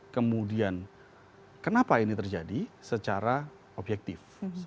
kemudian kenapa ini terjadi secara objektif